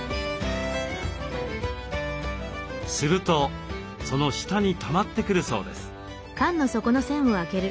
するとその下にたまってくるそうです。